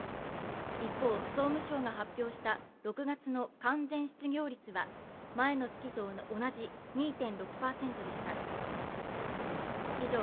一方、総務省が発表した６月の完全失業率は前の月と同じ２．６％でした。